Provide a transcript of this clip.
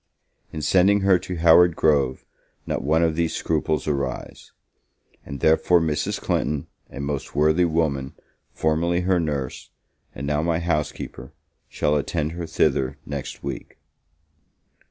In sending her to Howard Grove, not one of these scruples arise; and therefore Mrs. Clinton, a most worthy woman, formerly her nurse, and now my housekeeper, shall attend her thither next week.